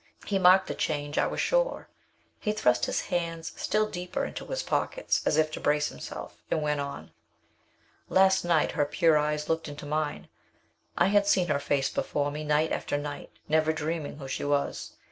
He marked the change, I was sure. He thrust his hands still deeper into his pockets, as if to brace himself, and went on. "Last night her pure eyes looked into mine. I had seen her face before me night after night, never dreaming who she was.